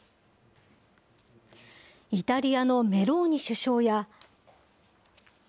イタリアのメローニ首相や。